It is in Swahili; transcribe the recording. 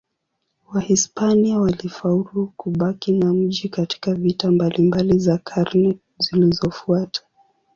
Wahispania walifaulu kubaki na mji katika vita mbalimbali za karne zilizofuata.